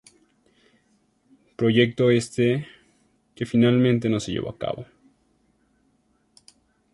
Proyecto este que finalmente no se llevó a cabo.